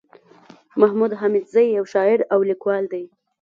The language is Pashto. محمود حميدزى يٶ شاعر او ليکوال دئ